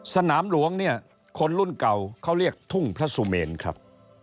สนามหลวงเนี่ยคนรุ่นเก่าเขาเรียกทุ่งพระสุเมนครับ